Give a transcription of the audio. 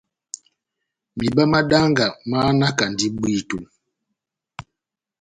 Mihiba má danga máhanakandi bwíto.